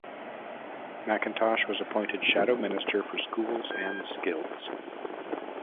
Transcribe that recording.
Macintosh was appointed Shadow Minister for Schools and Skills.